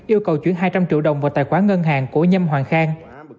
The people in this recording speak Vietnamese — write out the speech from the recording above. yêu cầu chuyển hai trăm linh triệu đồng vào tài khoản ngân hàng của nhâm hoàng khang